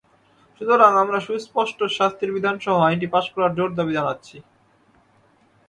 সুতরাং আমরা সুস্পষ্ট শাস্তির বিধানসহ আইনটি পাস করার জোর দাবি জানাই।